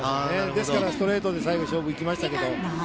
ですからストレートで最後勝負いきました。